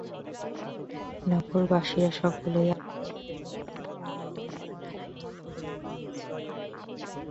নগরবাসীরা সকলেই আপনার ঘরের দীপ নিবাইয়া দ্বার রুদ্ধ করিয়া দিয়াছে।